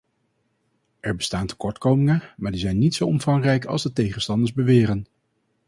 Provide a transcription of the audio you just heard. Er bestaan tekortkomingen, maar die zijn niet zo omvangrijk als de tegenstanders beweren.